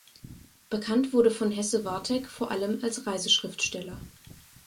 Bekannt wurde von Hesse-Wartegg vor allem als Reiseschriftsteller.